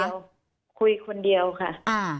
คุยคนเดียวค่ะ